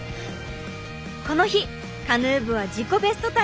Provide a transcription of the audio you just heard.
この日カヌー部は自己ベストタイムを連発！